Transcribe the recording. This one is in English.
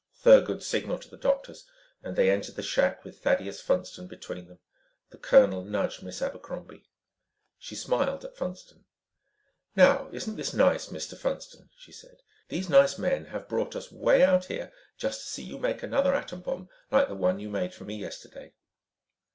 Thurgood signaled to the doctors and they entered the shack with Thaddeus Funston between them. The colonel nudged Miss Abercrombie. She smiled at Funston. "Now isn't this nice, Mr. Funston," she said. "These nice men have brought us way out here just to see you make another atom bomb like the one you made for me yesterday."